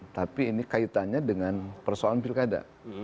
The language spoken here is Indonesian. tapi ini kaitannya dengan persoalan pilkada